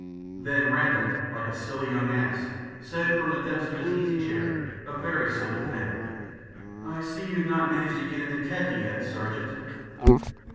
Then Randall, like a silly young ass, said, from the depths of his easy chair, a very silly thing. "I see you've not managed to get into khaki yet, Sergeant."